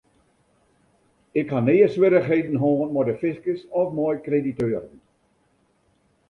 Ik ha nea swierrichheden hân mei de fiskus of mei krediteuren.